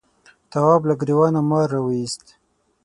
تواب له گرېوانه مار راوایست.